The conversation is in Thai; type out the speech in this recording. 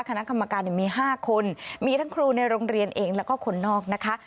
คณะกรรมการมี๕คนมีทั้งครูในโรงเรียนเองแล้วก็คนนอกนะคะ